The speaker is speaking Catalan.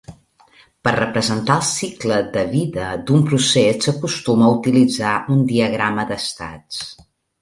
Per representar el cicle de vida d'un procés s'acostuma a utilitzar un diagrama d'estats.